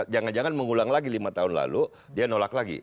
jangan jangan mengulang lagi lima tahun lalu dia nolak lagi